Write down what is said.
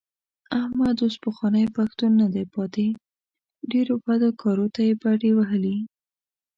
احمد اوس پخوانی پښتون نه دی پاتې. ډېرو بدو کارو ته یې بډې وهلې.